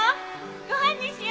ご飯にしよ！